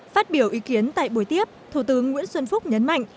phát biểu ý kiến tại buổi tiếp thủ tướng nguyễn xuân phúc nhấn mạnh